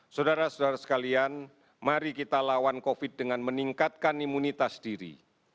saudara saudara sekalian mari kita lawan covid dengan meningkatkan imunitas diri